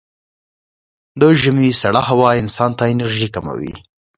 د ژمي سړه هوا انسان ته انرژي کموي.